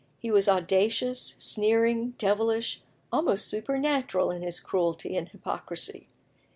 He was audacious, sneering, devilish, almost supernatural in his cruelty and hypocrisy.